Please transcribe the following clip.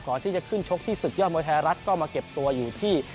ก่อนที่จะขึ้นชกที่ศึกยอดมวยไทยรัฐก็มาเก็บตัวอยู่ที่